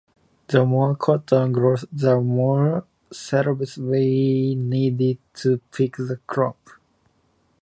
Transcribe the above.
The more cotton grown, the more slaves were needed to pick the crop.